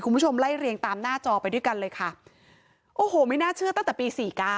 คุณผู้ชมไล่เรียงตามหน้าจอไปด้วยกันเลยค่ะโอ้โหไม่น่าเชื่อตั้งแต่ปีสี่เก้า